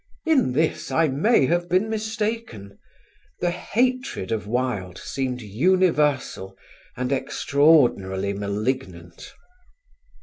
In this I may have been mistaken. The hatred of Wilde seemed universal and extraordinarily malignant.